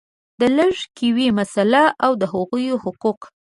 د لږکیو مسله او د هغوی حقوق